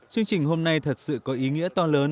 chương trình hôm nay thật sự có ý nghĩa to lớn